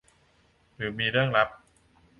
หรือมีเรื่องลับ